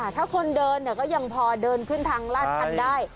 ถ้าคนเดินก็ยังพอเดินทางขึ้นได้